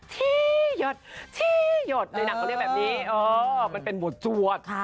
ที่หยดที่หยดเลยนางเขาเรียกแบบนี้มันเป็นบทสวด